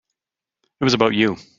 It was about you.